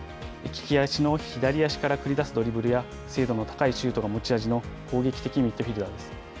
利き足の左足から繰り出すドリブルや、精度の高いシュートが持ち味の攻撃的ミッドフィルダーです。